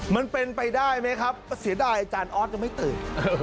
มันเป็นไปได้ไหมครับเสียดายอาจารย์ออสยังไม่ตื่น